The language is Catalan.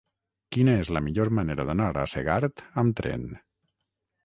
Quina és la millor manera d'anar a Segart amb tren?